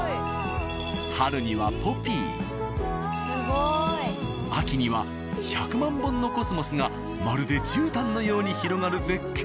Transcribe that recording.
春にはポピー秋には１００万本のコスモスがまるでじゅうたんのように広がる絶景。